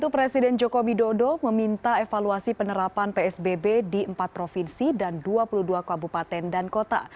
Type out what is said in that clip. presiden joko widodo meminta evaluasi penerapan psbb di empat provinsi dan dua puluh dua kabupaten dan kota